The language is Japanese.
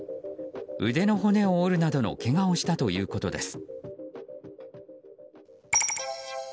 腕の骨を折るなどのけがをしたということです。